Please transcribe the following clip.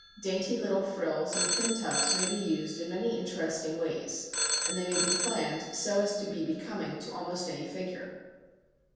Dainty little frills and pin tucks may be used in many interesting ways, and they may be planned so as to be becoming to almost any figure.